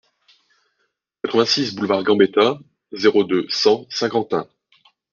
quatre-vingt-six boulevard Gambetta, zéro deux, cent, Saint-Quentin